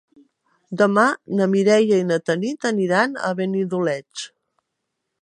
Demà na Mireia i na Tanit aniran a Benidoleig.